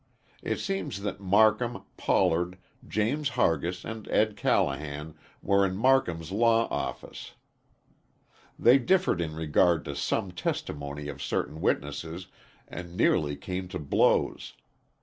It seems that Marcum, Pollard, James Hargis and Ed. Callahan were in Marcum's law office. They differed in regard to some testimony of certain witnesses and nearly came to blows.